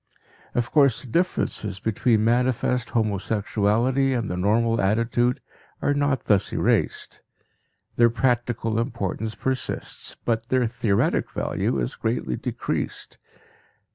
Of course the differences between manifest homosexuality and the normal attitude are not thus erased; their practical importance persists, but their theoretic value is greatly decreased.